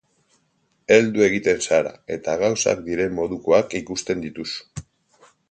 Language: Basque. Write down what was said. Heldu egiten zara, eta gauzak diren modukoak ikusten dituzu.